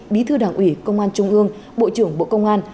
bí thư đảng ủy công an trung ương bộ trưởng bộ công an